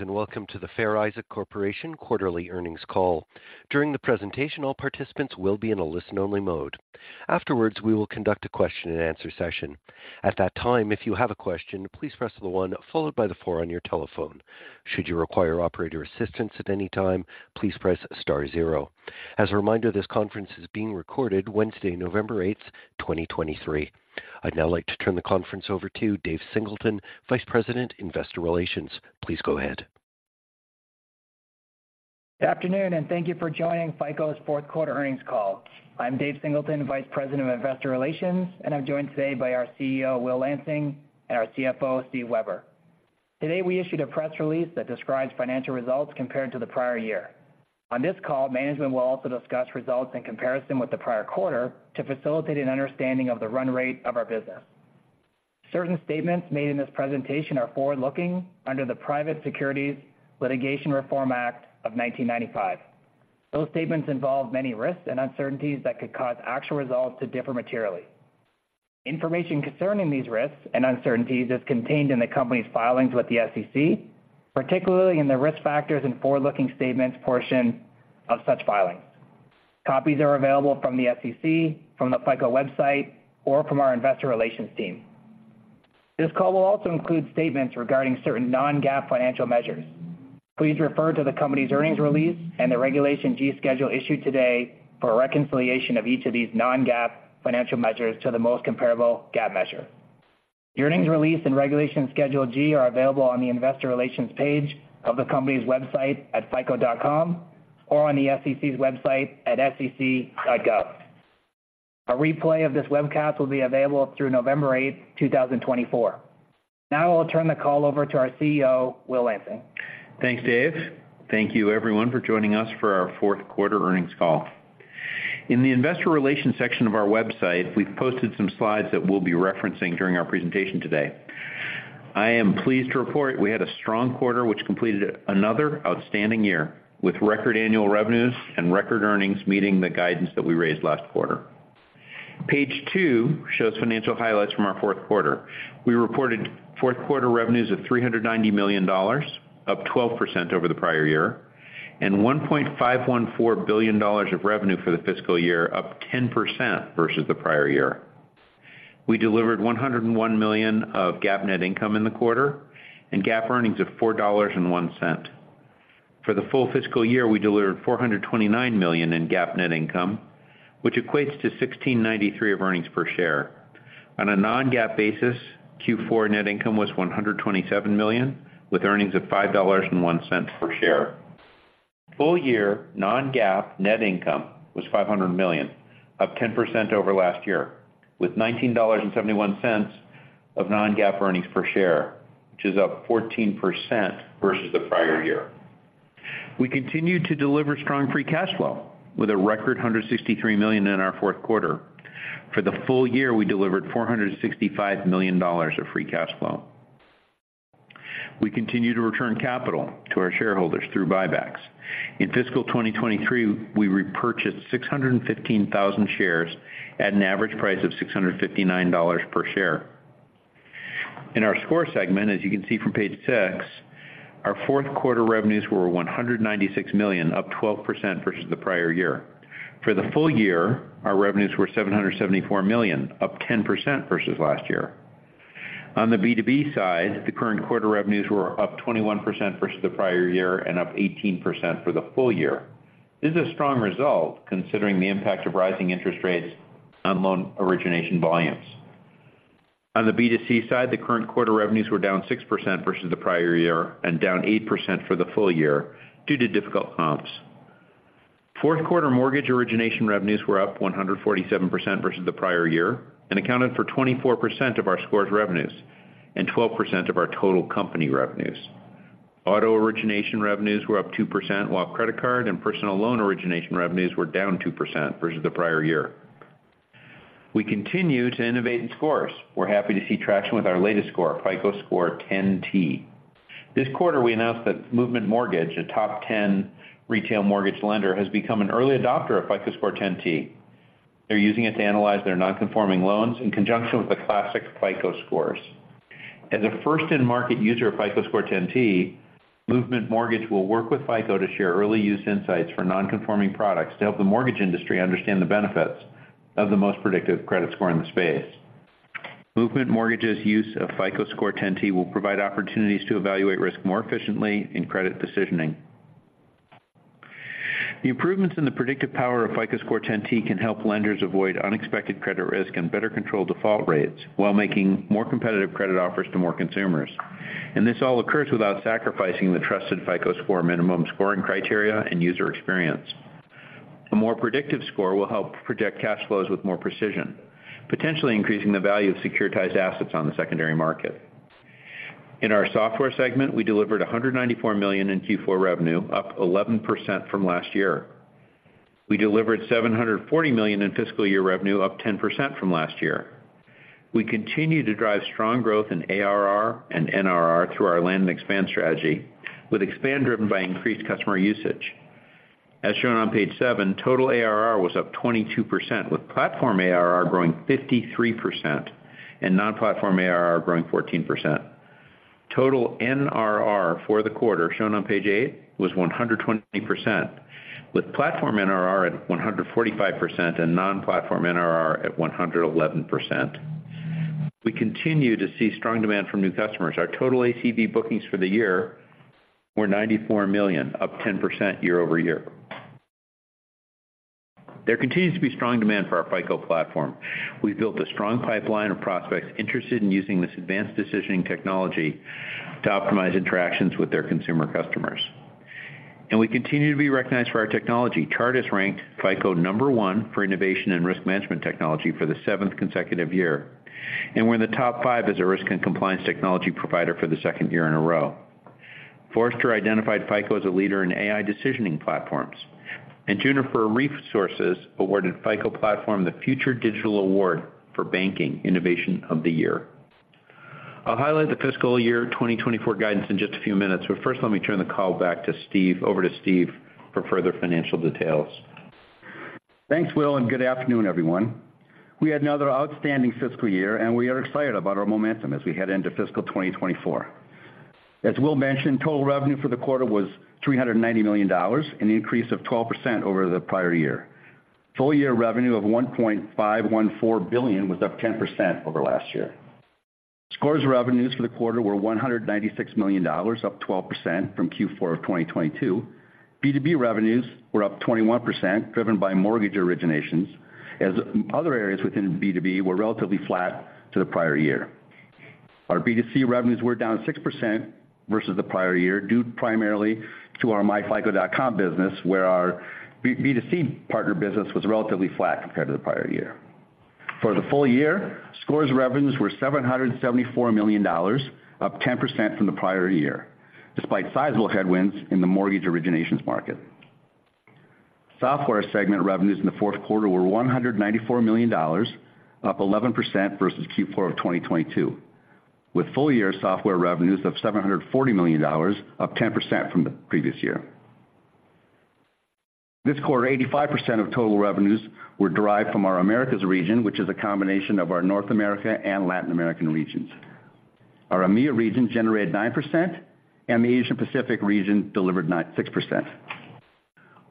Welcome to the Fair Isaac Corporation quarterly earnings call. During the presentation, all participants will be in a listen-only mode. Afterwards, we will conduct a question-and-answer session. At that time, if you have a question, please press one followed by four on your telephone. Should you require operator assistance at any time, please press star zero. As a reminder, this conference is being recorded Wednesday, November 8, 2023. I'd now like to turn the conference over to Dave Singleton, Vice President, Investor Relations. Please go ahead. Good afternoon, and thank you for joining FICO's fourth quarter earnings call. I'm Dave Singleton, Vice President of Investor Relations, and I'm joined today by our CEO, Will Lansing, and our CFO, Steve Weber. Today, we issued a press release that describes financial results compared to the prior year. On this call, management will also discuss results in comparison with the prior quarter to facilitate an understanding of the run-rate of our business. Certain statements made in this presentation are forward-looking under the Private Securities Litigation Reform Act of 1995. Those statements involve many risks and uncertainties that could cause actual results to differ materially. Information concerning these risks and uncertainties is contained in the company's filings with the SEC, particularly in the risk factors and forward-looking statements portion of such filings. Copies are available from the SEC, from the FICO website, or from our investor relations team. This call will also include statements regarding certain non-GAAP financial measures. Please refer to the company's earnings release and the Regulation G schedule issued today for a reconciliation of each of these non-GAAP financial measures to the most comparable GAAP measure. The earnings release and Regulation G schedule are available on the investor relations page of the company's website at fico.com or on the SEC's website at sec.gov. A replay of this webcast will be available through November 8, 2024. Now I'll turn the call over to our CEO, Will Lansing. Thanks, Dave. Thank you everyone for joining us for our fourth quarter earnings call. In the investor relations section of our website, we've posted some slides that we'll be referencing during our presentation today. I am pleased to report we had a strong quarter, which completed another outstanding year, with record annual revenues and record earnings meeting the guidance that we raised last quarter. Page two shows financial highlights from our fourth quarter. We reported fourth quarter revenues of $390 million, up 12% over the prior year, and $1.514 billion of revenue for the fiscal year, up 10% versus the prior year. We delivered $101 million of GAAP net income in the quarter and GAAP earnings of $4.01. For the full fiscal year, we delivered $429 million in GAAP net income, which equates to $16.93 of earnings per share. On a non-GAAP basis, Q4 net income was $127 million, with earnings of $5.01 per share. Full year non-GAAP net income was $500 million, up 10% over last year, with $19.71 of non-GAAP earnings per share, which is up 14% versus the prior year. We continued to deliver strong free cash flow with a record $163 million in our fourth quarter. For the full year, we delivered $465 million of free cash flow. We continue to return capital to our shareholders through buybacks. In fiscal 2023, we repurchased 615,000 shares at an average price of $659 per share. In our score segment, as you can see from page six, our fourth quarter revenues were $196 million, up 12% versus the prior year. For the full year, our revenues were $774 million, up 10% versus last year. On the B2B side, the current quarter revenues were up 21% versus the prior year and up 18% for the full year. This is a strong result, considering the impact of rising interest rates on loan origination volumes. On the B2C side, the current quarter revenues were down 6% versus the prior year and down 8% for the full year due to difficult comps. Fourth quarter mortgage origination revenues were up 147% versus the prior year and accounted for 24% of our score's revenues and 12% of our total company revenues. Auto origination revenues were up 2%, while credit card and personal loan origination revenues were down 2% versus the prior year. We continue to innovate in scores. We're happy to see traction with our latest score, FICO Score 10T. This quarter, we announced that Movement Mortgage, a top 10 retail mortgage lender, has become an early adopter of FICO Score 10T. They're using it to analyze their non-conforming loans in conjunction with the classic FICO scores. As a first-in-market user of FICO Score 10T, Movement Mortgage will work with FICO to share early use insights for non-conforming products to help the mortgage industry understand the benefits of the most predictive credit score in the space. Movement Mortgage's use of FICO Score 10T will provide opportunities to evaluate risk more efficiently in credit decisioning. The improvements in the predictive power of FICO Score 10T can help lenders avoid unexpected credit risk and better control default rates while making more competitive credit offers to more consumers. And this all occurs without sacrificing the trusted FICO Score, minimum scoring criteria, and user experience. A more predictive score will help project cash flows with more precision, potentially increasing the value of securitized assets on the secondary market. In our software segment, we delivered $194 million in Q4 revenue, up 11% from last year. We delivered $740 million in fiscal year revenue, up 10% from last year. We continue to drive strong growth in ARR and NRR through our land and expand strategy, with expand driven by increased customer usage... As shown on page seven, total ARR was up 22%, with platform ARR growing 53% and non-platform ARR growing 14%. Total NRR for the quarter, shown on page eight, was 120%, with platform NRR at 145% and non-platform NRR at 111%. We continue to see strong demand from new customers. Our total ACV bookings for the year were $94 million, up 10% year-over-year. There continues to be strong demand for our FICO platform. We've built a strong pipeline of prospects interested in using this advanced decisioning technology to optimize interactions with their consumer customers. We continue to be recognized for our technology. Chartis ranked FICO number one for innovation and risk management technology for the seventh consecutive year, and we're in the top five as a risk and compliance technology provider for the second year in a row. Forrester identified FICO as a leader in AI decisioning platforms, and Juniper Research awarded FICO Platform the Future Digital Award for Banking Innovation of the Year. I'll highlight the fiscal year 2024 guidance in just a few minutes, but first, let me turn the call back to Steve, over to Steve for further financial details. Thanks, Will, and good afternoon, everyone. We had another outstanding fiscal year, and we are excited about our momentum as we head into fiscal 2024. As Will mentioned, total revenue for the quarter was $390 million, an increase of 12% over the prior year. Full year revenue of $1.514 billion was up 10% over last year. Scores revenues for the quarter were $196 million, up 12% from Q4 of 2022. B2B revenues were up 21%, driven by mortgage originations, as other areas within B2B were relatively flat to the prior year. Our B2C revenues were down 6% versus the prior year, due primarily to our myFICO.com business, where our B2C partner business was relatively flat compared to the prior year. For the full year, scores revenues were $774 million, up 10% from the prior year, despite sizable headwinds in the mortgage originations market. Software segment revenues in the fourth quarter were $194 million, up 11% versus Q4 of 2022, with full year software revenues of $740 million, up 10% from the previous year. This quarter, 85% of total revenues were derived from our Americas region, which is a combination of our North America and Latin American regions. Our EMEA region generated 9%, and the Asia Pacific region delivered 6%.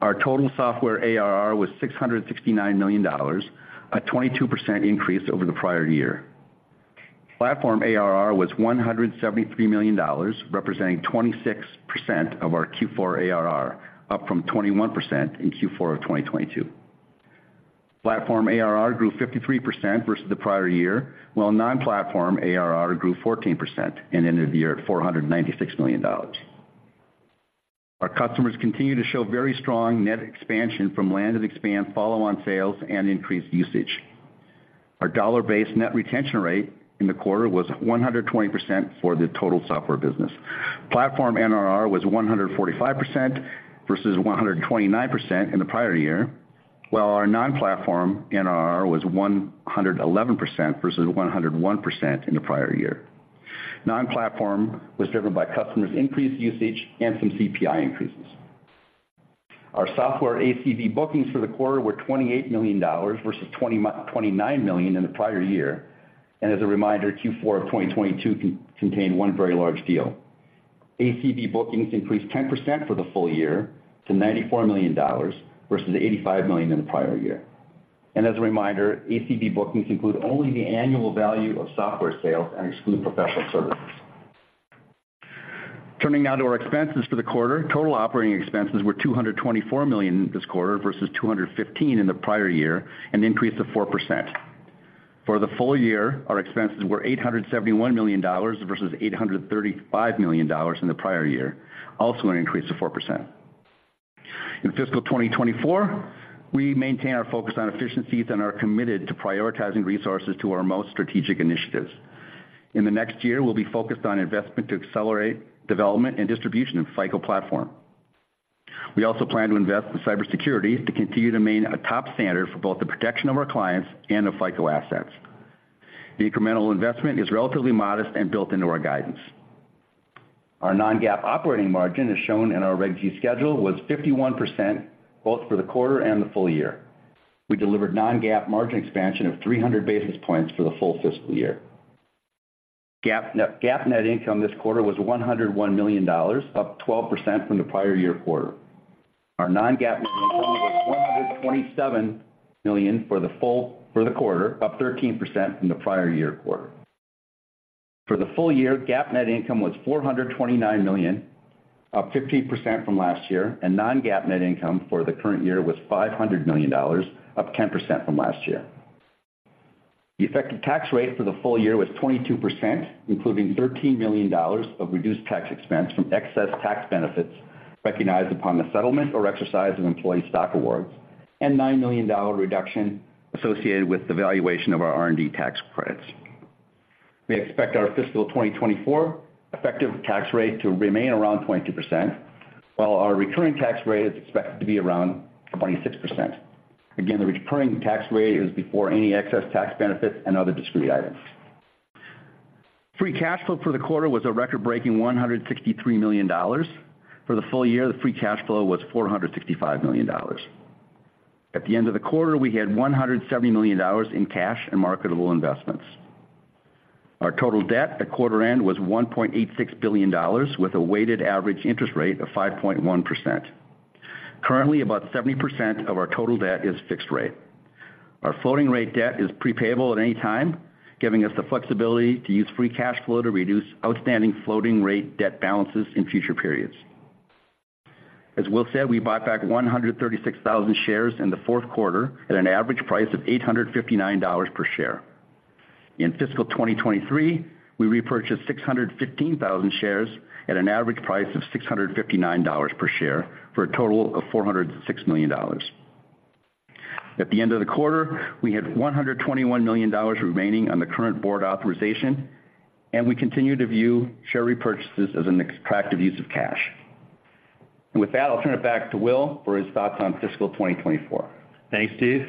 Our total software ARR was $669 million, a 22% increase over the prior year. Platform ARR was $173 million, representing 26% of our Q4 ARR, up from 21% in Q4 of 2022. Platform ARR grew 53% versus the prior year, while non-platform ARR grew 14% and ended the year at $496 million. Our customers continue to show very strong net expansion from land and expand follow-on sales and increased usage. Our dollar-based net retention rate in the quarter was 120% for the total software business. Platform NRR was 145% versus 129% in the prior year, while our non-platform NRR was 111% versus 101% in the prior year. Non-platform was driven by customers' increased usage and some CPI increases. Our software ACV bookings for the quarter were $28 million versus $29 million in the prior year, and as a reminder, Q4 of 2022 contained one very large deal. ACV bookings increased 10% for the full year to $94 million versus $85 million in the prior year. As a reminder, ACV bookings include only the annual value of software sales and exclude professional services. Turning now to our expenses for the quarter. Total operating expenses were $224 million this quarter versus $215 million in the prior year, an increase of 4%. For the full year, our expenses were $871 million versus $835 million in the prior year, also an increase of 4%. In fiscal 2024, we maintain our focus on efficiencies and are committed to prioritizing resources to our most strategic initiatives. In the next year, we'll be focused on investment to accelerate development and distribution of FICO Platform. We also plan to invest in cybersecurity to continue to maintain a top standard for both the protection of our clients and the FICO assets. The incremental investment is relatively modest and built into our guidance. Our non-GAAP operating margin, as shown in our Reg G schedule, was 51%, both for the quarter and the full year. We delivered non-GAAP margin expansion of 300 basis points for the full fiscal year. GAAP net, GAAP net income this quarter was $101 million, up 12% from the prior year quarter. Our non-GAAP net income was $127 million for the quarter, up 13% from the prior year quarter. For the full year, GAAP net income was $429 million, up 15% from last year, and non-GAAP net income for the current year was $500 million, up 10% from last year. The effective tax rate for the full year was 22%, including $13 million of reduced tax expense from excess tax benefits recognized upon the settlement or exercise of employee stock awards, and nine million dollar reduction associated with the valuation of our R&D tax credits. We expect our fiscal 2024 effective tax rate to remain around 22%, while our recurring tax rate is expected to be around 26%. Again, the recurring tax rate is before any excess tax benefits and other discrete items.... Free cash flow for the quarter was a record-breaking $163 million. For the full year, the free cash flow was $465 million. At the end of the quarter, we had $170 million in cash and marketable investments. Our total debt at quarter end was $1.86 billion, with a weighted average interest rate of 5.1%. Currently, about 70% of our total debt is fixed rate. Our floating rate debt is pre-payable at any time, giving us the flexibility to use free cash flow to reduce outstanding floating rate debt balances in future periods. As Will said, we bought back 136,000 shares in the fourth quarter at an average price of $859 per share. In fiscal 2023, we repurchased 615,000 shares at an average price of $659 per share, for a total of $406 million. At the end of the quarter, we had $121 million remaining on the current board authorization, and we continue to view share repurchases as an attractive use of cash. With that, I'll turn it back to Will for his thoughts on fiscal 2024. Thanks, Steve.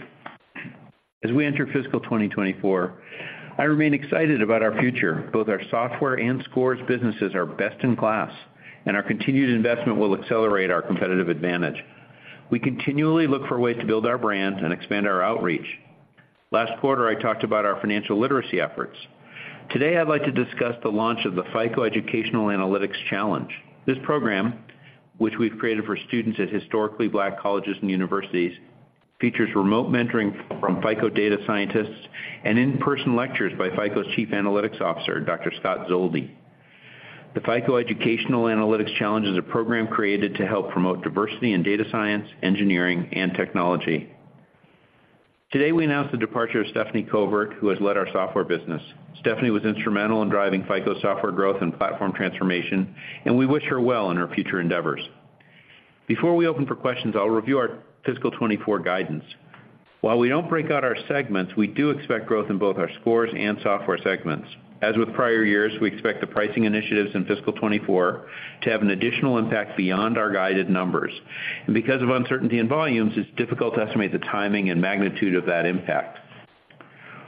As we enter fiscal 2024, I remain excited about our future. Both our software and scores businesses are best in class, and our continued investment will accelerate our competitive advantage. We continually look for ways to build our brand and expand our outreach. Last quarter, I talked about our financial literacy efforts. Today, I'd like to discuss the launch of the FICO Educational Analytics Challenge. This program, which we've created for students at historically Black colleges and universities, features remote mentoring from FICO data scientists and in-person lectures by FICO's Chief Analytics Officer, Dr. Scott Zoldi. The FICO Educational Analytics Challenge is a program created to help promote diversity in data science, engineering, and technology. Today, we announced the departure of Stephanie Covert, who has led our software business. Stephanie was instrumental in driving FICO software growth and platform transformation, and we wish her well in her future endeavors. Before we open for questions, I'll review our fiscal 2024 guidance. While we don't break out our segments, we do expect growth in both our scores and software segments. As with prior years, we expect the pricing initiatives in fiscal 2024 to have an additional impact beyond our guided numbers. Because of uncertainty in volumes, it's difficult to estimate the timing and magnitude of that impact.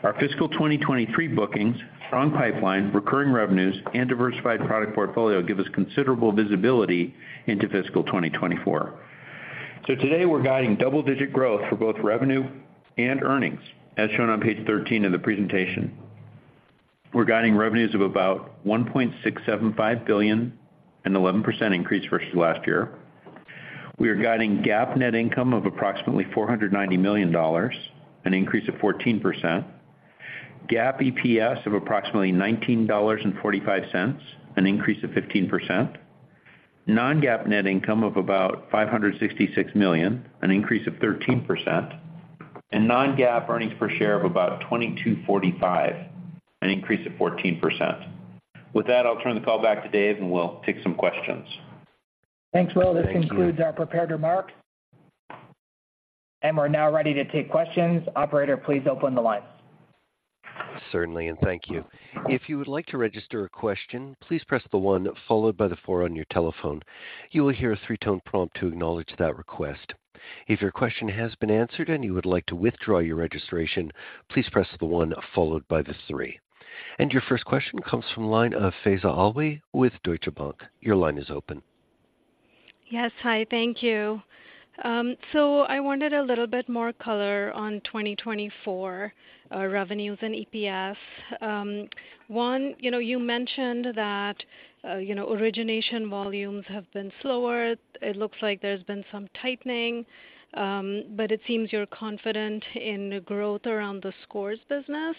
Our fiscal 2023 bookings, strong pipeline, recurring revenues, and diversified product portfolio give us considerable visibility into fiscal 2024. Today, we're guiding double-digit growth for both revenue and earnings, as shown on page 13 of the presentation. We're guiding revenues of about $1.675 billion, an 11% increase versus last year. We are guiding GAAP net income of approximately $490 million, an increase of 14%, GAAP EPS of approximately $19.45, an increase of 15%, non-GAAP net income of about $566 million, an increase of 13%, and non-GAAP earnings per share of about $22.45, an increase of 14%. With that, I'll turn the call back to Dave, and we'll take some questions. Thanks, Will. This concludes our prepared remarks, and we're now ready to take questions. Operator, please open the lines. Certainly, and thank you. If you would like to register a question, please press the one followed by the four on your telephone. You will hear a three-tone prompt to acknowledge that request. If your question has been answered and you would like to withdraw your registration, please press the one followed by the three. Your first question comes from the line of Faiza Alwy with Deutsche Bank. Your line is open. Yes. Hi, thank you. So I wanted a little bit more color on 2024 revenues and EPS. One, you know, you mentioned that, you know, origination volumes have been slower. It looks like there's been some tightening, but it seems you're confident in the growth around the scores business.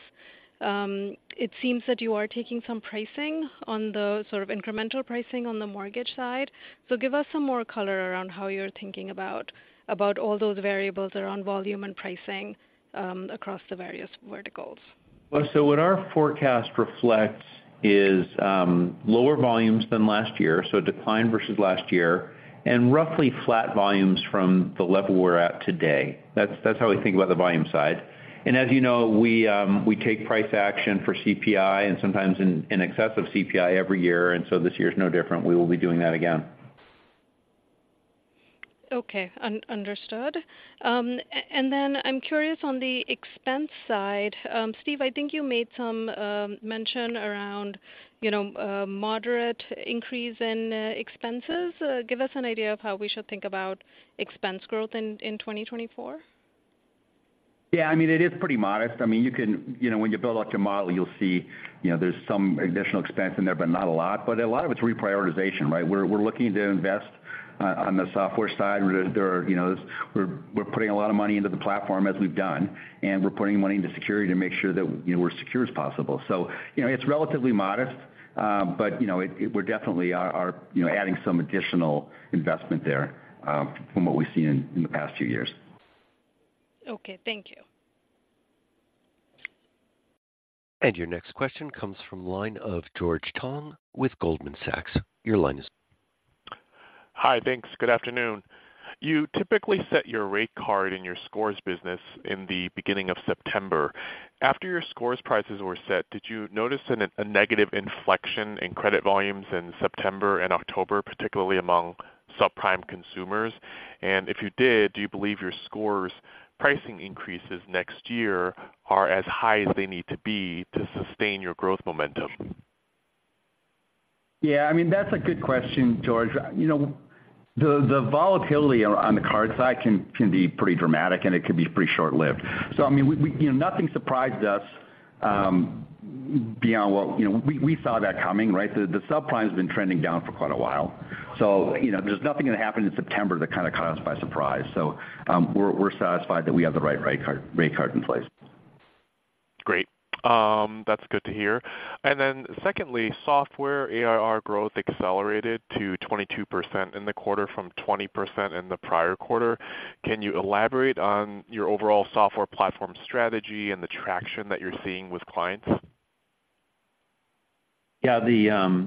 It seems that you are taking some pricing on the—sort of incremental pricing on the mortgage side. So give us some more color around how you're thinking about, about all those variables around volume and pricing, across the various verticals. Well, so what our forecast reflects is lower volumes than last year, so a decline versus last year, and roughly flat volumes from the level we're at today. That's how we think about the volume side. And as you know, we take price action for CPI and sometimes in excess of CPI every year, and so this year is no different. We will be doing that again. Okay, understood. And then I'm curious on the expense side. Steve, I think you made some mention around, you know, a moderate increase in expenses. Give us an idea of how we should think about expense growth in 2024. Yeah, I mean, it is pretty modest. I mean, you can... You know, when you build out your model, you'll see, you know, there's some additional expense in there, but not a lot. But a lot of it's reprioritization, right? We're looking to invest on the software side. There, you know, we're putting a lot of money into the platform as we've done, and we're putting money into security to make sure that, you know, we're secure as possible. So, you know, it's relatively modest, but, you know, we're definitely are, you know, adding some additional investment there, from what we've seen in the past few years. Okay, thank you. Your next question comes from line of George Tong with Goldman Sachs. Your line is- Hi, thanks. Good afternoon. You typically set your rate card in your scores business in the beginning of September. After your scores prices were set, did you notice a negative inflection in credit volumes in September and October, particularly among subprime consumers? And if you did, do you believe your scores pricing increases next year are as high as they need to be to sustain your growth momentum? Yeah, I mean, that's a good question, George. You know, the volatility on the card side can be pretty dramatic, and it can be pretty short-lived. So I mean, we, you know, nothing surprised us beyond what you know, we saw that coming, right? The subprime has been trending down for quite a while. So, you know, there's nothing that happened in September that kind of caught us by surprise. So, we're satisfied that we have the right rate card in place. Great. That's good to hear. And then secondly, software ARR growth accelerated to 22% in the quarter from 20% in the prior quarter. Can you elaborate on your overall software platform strategy and the traction that you're seeing with clients? Yeah, the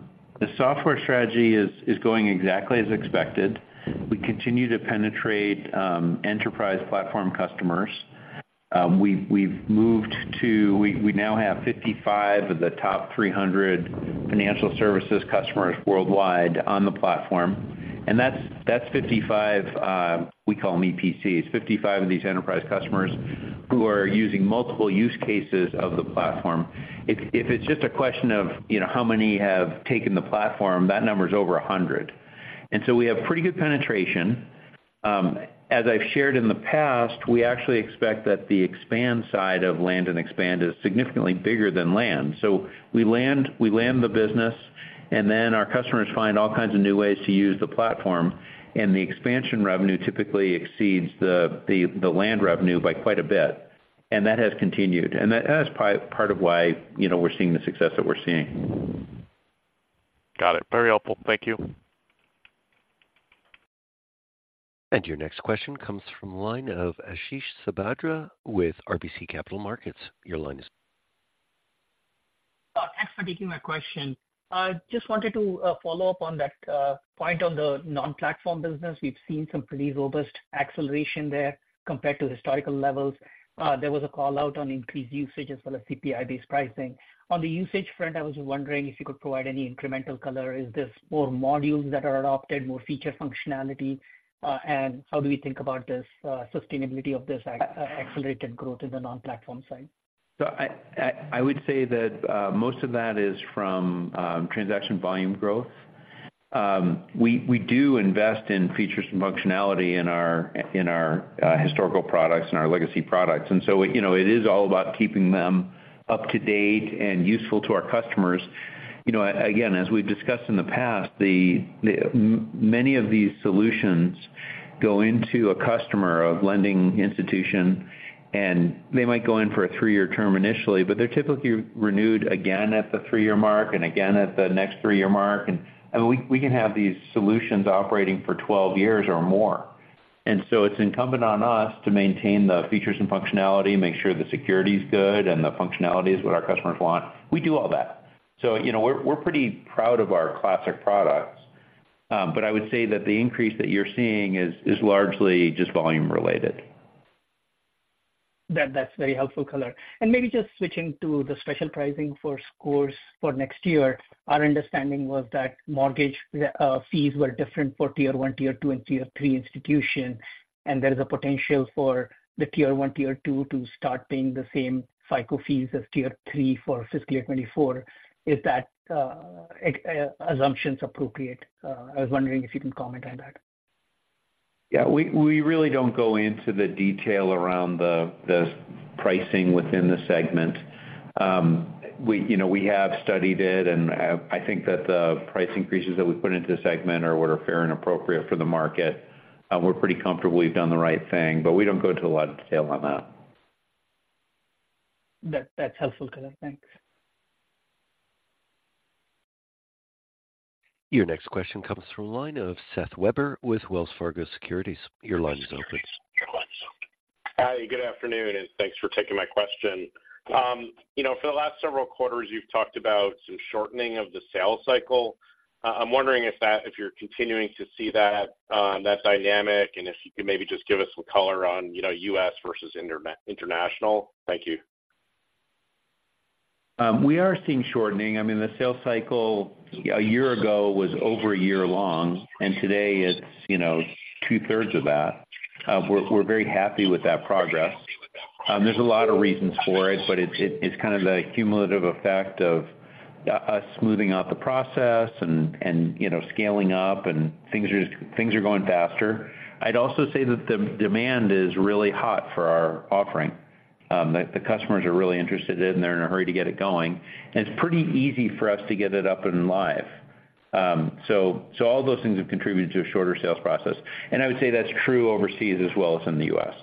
software strategy is going exactly as expected. We continue to penetrate enterprise platform customers. We've moved to, we now have 55 of the top 300 financial services customers worldwide on the platform, and that's 55, we call them EPCs. 55 of these enterprise customers who are using multiple use cases of the platform. If it's just a question of, you know, how many have taken the platform, that number is over 100. And so we have pretty good penetration. As I've shared in the past, we actually expect that the expand side of land and expand is significantly bigger than land. So we land the business, and then our customers find all kinds of new ways to use the platform, and the expansion revenue typically exceeds the land revenue by quite a bit, and that has continued. That is part of why, you know, we're seeing the success that we're seeing. Got it. Very helpful. Thank you. Your next question comes from the line of Ashish Sabadra with RBC Capital Markets. Your line is- Thanks for taking my question. I just wanted to follow up on that point on the non-platform business. We've seen some pretty robust acceleration there compared to historical levels. There was a call out on increased usage as well as CPI-based pricing. On the usage front, I was wondering if you could provide any incremental color. Is this more modules that are adopted, more feature functionality? And how do we think about this sustainability of this accelerated growth in the non-platform side? So I would say that, most of that is from transaction volume growth. We do invest in features and functionality in our historical products and our legacy products, and so, you know, it is all about keeping them up-to-date and useful to our customers. You know, again, as we've discussed in the past, the many of these solutions go into a customer, a lending institution, and they might go in for a three-year term initially, but they're typically renewed again at the three-year mark and again at the next three-year mark. And we can have these solutions operating for 12 years or more. And so it's incumbent on us to maintain the features and functionality, make sure the security is good and the functionality is what our customers want. We do all that. You know, we're pretty proud of our classic products. But I would say that the increase that you're seeing is largely just volume related. That, that's very helpful color. Maybe just switching to the special pricing for scores for next year. Our understanding was that mortgage fees were different for Tier 1, Tier 2, and Tier 3 institutions, and there is a potential for the Tier 1, Tier 2 to start paying the same FICO fees as Tier 3 for fiscal year 2024. Is that assumptions appropriate? I was wondering if you can comment on that. Yeah, we really don't go into the detail around the pricing within the segment. We, you know, we have studied it, and I think that the price increases that we put into the segment are what are fair and appropriate for the market. We're pretty comfortable we've done the right thing, but we don't go into a lot of detail on that. That, that's helpful, color. Thanks. Your next question comes from the line of Seth Weber with Wells Fargo Securities. Your line is open. Hi, good afternoon, and thanks for taking my question. You know, for the last several quarters, you've talked about some shortening of the sales cycle. I'm wondering if that, if you're continuing to see that, that dynamic, and if you could maybe just give us some color on, you know, U.S. versus international. Thank you. We are seeing shortening. I mean, the sales cycle a year ago was over a year long, and today it's, you know, two-thirds of that. We're very happy with that progress. There's a lot of reasons for it, but it's kind of a cumulative effect of us smoothing out the process and, you know, scaling up and things are just going faster. I'd also say that the demand is really hot for our offering, that the customers are really interested in, they're in a hurry to get it going, and it's pretty easy for us to get it up and live. So all those things have contributed to a shorter sales process, and I would say that's true overseas as well as in the U.S.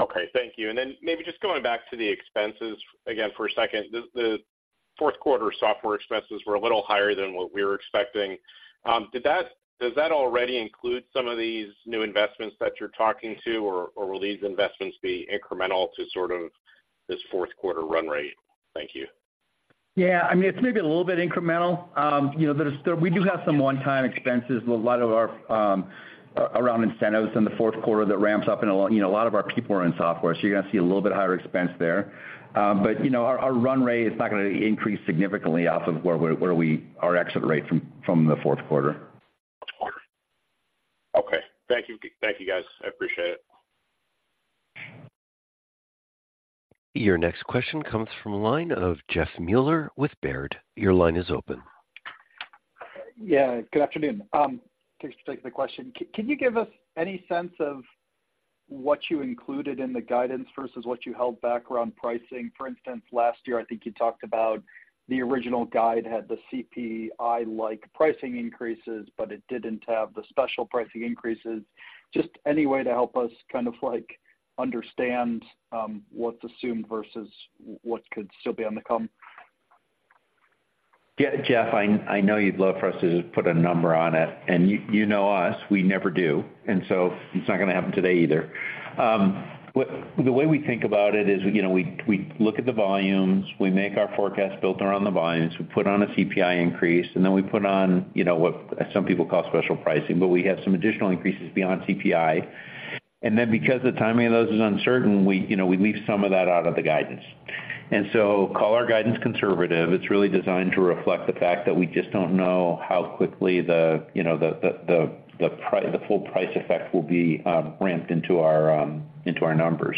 Okay, thank you. And then maybe just going back to the expenses again for a second. The fourth quarter software expenses were a little higher than what we were expecting. Does that already include some of these new investments that you're talking to, or will these investments be incremental to sort of this fourth quarter run-rate? Thank you. Yeah, I mean, it's maybe a little bit incremental. You know, we do have some one-time expenses with a lot of our around incentives in the fourth quarter that ramps up. You know, a lot of our people are in software, so you're going to see a little bit higher expense there. But you know, our run-rate is not going to increase significantly off of where our exit rate from the fourth quarter. Okay. Thank you. Thank you, guys. I appreciate it. Your next question comes from the line of Jeff Meuler with Baird. Your line is open. Yeah, good afternoon. Thanks for taking the question. Can you give us any sense of what you included in the guidance versus what you held back around pricing? For instance, last year, I think you talked about the original guide had the CPI-like pricing increases, but it didn't have the special pricing increases. Just any way to help us kind of, like, understand, what's assumed versus what could still be on the come? Yeah, Jeff, I know you'd love for us to just put a number on it, and you know us, we never do, and so it's not gonna happen today either. The way we think about it is, you know, we look at the volumes, we make our forecast built around the volumes, we put on a CPI increase, and then we put on, you know, what some people call special pricing, but we have some additional increases beyond CPI. And then, because the timing of those is uncertain, you know, we leave some of that out of the guidance. And so call our guidance conservative. It's really designed to reflect the fact that we just don't know how quickly the full price effect will be ramped into our numbers.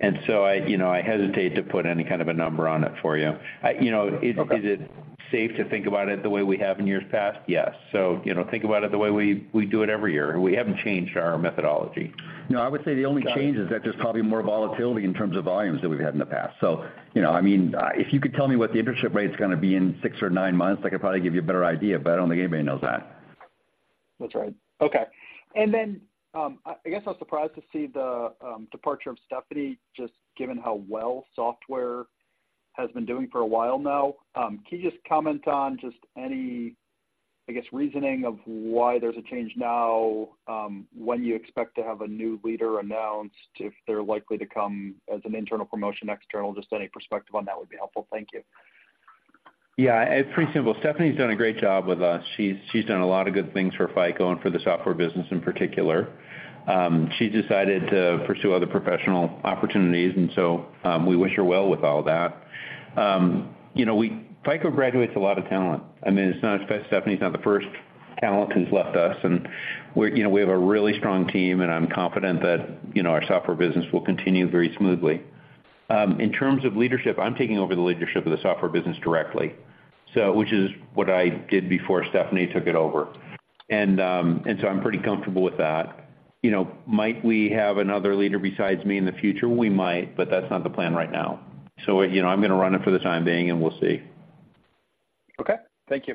And so, you know, I hesitate to put any kind of a number on it for you. I, you know- Okay. Is it safe to think about it the way we have in years past? Yes. So, you know, think about it the way we, we do it every year. We haven't changed our methodology. No, I would say the only change- Got it. is that there's probably more volatility in terms of volumes than we've had in the past. So, you know, I mean, if you could tell me what the interest rate is gonna be in six or nine months, I could probably give you a better idea, but I don't think anybody knows that. That's right. Okay. And then, I guess I was surprised to see the departure of Stephanie, just given how well software has been doing for a while now. Can you just comment on just any, I guess, reasoning of why there's a change now, when you expect to have a new leader announced, if they're likely to come as an internal promotion, external? Just any perspective on that would be helpful. Thank you. Yeah, it's pretty simple. Stephanie's done a great job with us. She's, she's done a lot of good things for FICO and for the software business in particular. She decided to pursue other professional opportunities, and so, we wish her well with all that. You know, FICO graduates a lot of talent. I mean, it's not, Stephanie's not the first talent who's left us, and we're, you know, we have a really strong team, and I'm confident that, you know, our software business will continue very smoothly. In terms of leadership, I'm taking over the leadership of the software business directly, so which is what I did before Stephanie took it over. And, and so I'm pretty comfortable with that. You know, might we have another leader besides me in the future? We might, but that's not the plan right now. So, you know, I'm gonna run it for the time being, and we'll see. Okay, thank you.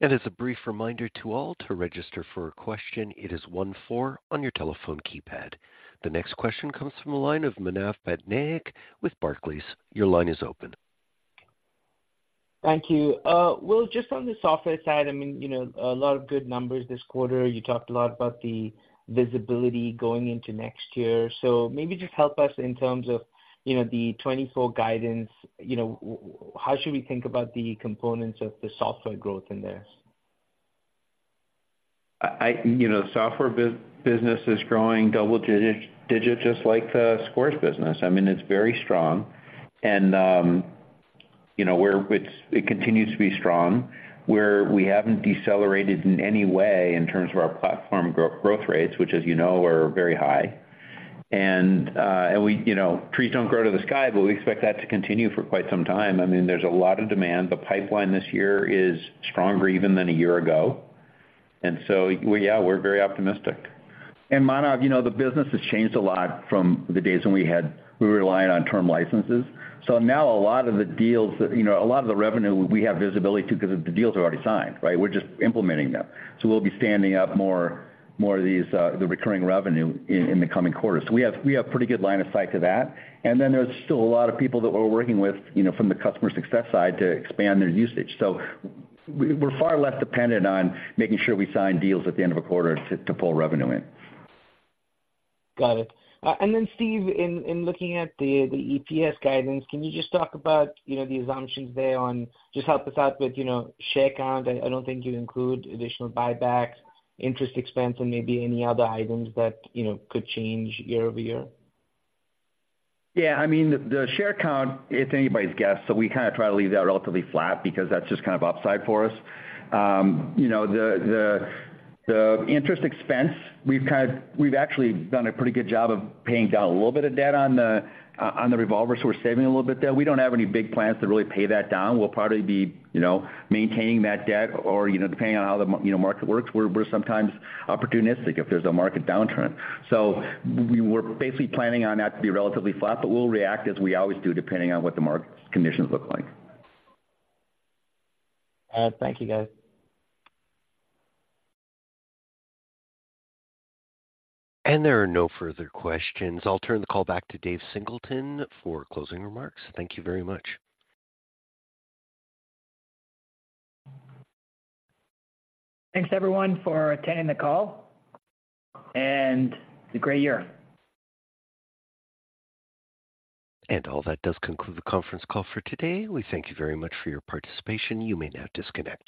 As a brief reminder to all, to register for a question, it is one, four on your telephone keypad. The next question comes from the line of Manav Patnaik with Barclays. Your line is open. Thank you. Well, just on the software side, I mean, you know, a lot of good numbers this quarter. You talked a lot about the visibility going into next year. So maybe just help us in terms of, you know, the 2024 guidance. You know, how should we think about the components of the software growth in this? You know, software business is growing double digit, just like the scores business. I mean, it's very strong. And, you know, where it continues to be strong, where we haven't decelerated in any way in terms of our platform growth rates, which, as you know, are very high. And, and we, you know, trees don't grow to the sky, but we expect that to continue for quite some time. I mean, there's a lot of demand. The pipeline this year is stronger even than a year ago, and so we yeah, we're very optimistic. And Manav, you know, the business has changed a lot from the days when we had—we were relying on term licenses. So now a lot of the deals, you know, a lot of the revenue we have visibility to, because the deals are already signed, right? We're just implementing them. So we'll be standing up more, more of these, the recurring revenue in, in the coming quarters. So we have, we have pretty good line of sight to that. And then there's still a lot of people that we're working with, you know, from the customer success side to expand their usage. So we're far less dependent on making sure we sign deals at the end of a quarter to, to pull revenue in. Got it. And then, Steve, in looking at the EPS guidance, can you just talk about, you know, the assumptions there and just help us out with, you know, share count? I don't think you include additional buybacks, interest expense, and maybe any other items that, you know, could change year-over-year. Yeah, I mean, the share count, it's anybody's guess, so we kind of try to leave that relatively flat because that's just kind of upside for us. You know, the interest expense, we've actually done a pretty good job of paying down a little bit of debt on the revolvers, so we're saving a little bit there. We don't have any big plans to really pay that down. We'll probably be, you know, maintaining that debt or, you know, depending on how the market works, we're sometimes opportunistic if there's a market downturn. So we're basically planning on that to be relatively flat, but we'll react as we always do, depending on what the market conditions look like. Thank you, guys. There are no further questions. I'll turn the call back to Dave Singleton for closing remarks. Thank you very much. Thanks, everyone, for attending the call, and a great year. All that does conclude the conference call for today. We thank you very much for your participation. You may now disconnect.